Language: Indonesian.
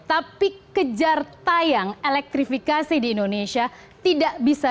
tapi kejar tayang elektrifikasi di indonesia tidak terlalu mudah